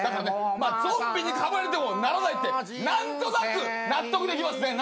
ゾンビにかまれてもならないって何となく納得できますね。